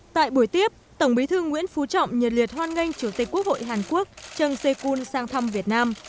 tại buổi tiếp tổng bí thư nguyễn phú trọng nhật liệt hoan nghênh chủ tịch quốc hội hàn quốc trần sê kyun sang thăm việt nam